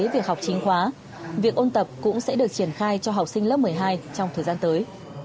việc học chính khóa việc ôn tập cũng sẽ được triển khai cho học sinh lớp một mươi hai trong thời gian tới